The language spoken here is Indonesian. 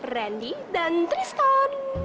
randy dan tristan